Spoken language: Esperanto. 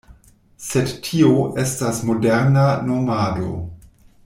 Sed tio estas moderna nomado.